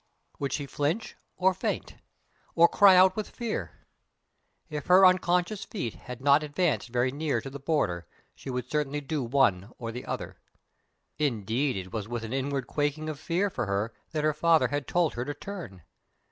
Would she flinch or faint, or cry out with fear? If her unconscious feet had not advanced very near to the Border she would certainly do one or the other. Indeed, it was with an inward quaking of fear for her that her father had told her to turn.